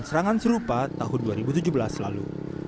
serangan serupa tahun dua ribu tujuh belas lalu